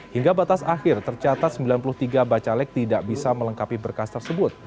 hingga batas akhir tercatat sembilan puluh tiga bacalek tidak bisa melengkapi berkas tersebut